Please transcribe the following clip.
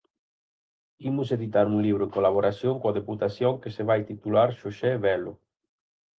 Imos editar un libro en colaboración coa Deputación que se vai titular Xosé Velo.